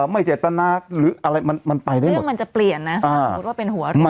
ไม่ถอดก็ไม่ได้ใช่ไหม